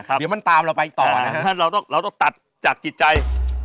ครับเดี๋ยวมันตามเราไปต่อนะครับอ่าเราต้องเราต้องตัดจากจิตใจ